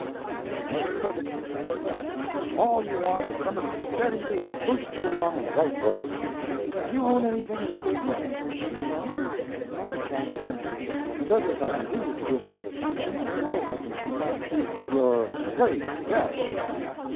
You can make a perfect success in life. All you want is somebody to steady you and boost you along on the right road. Do you own anything in the business?" "No—not exactly; but if I continue to give satisfaction, I suppose I can keep my—" "Keep your place—yes.